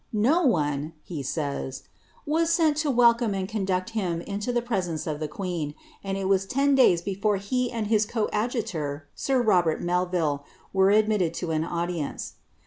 " No one," he says, " was sent welcome and eonilucl him into the presence of the queen, and ii » ten (lays before he and his coadjutor, sir Hobert Melvil, were adroitt to an audience."